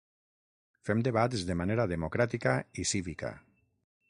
Fem debats de manera democràtica i cívica.